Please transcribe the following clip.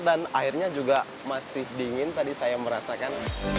dan airnya juga masih dingin tadi saya merasakan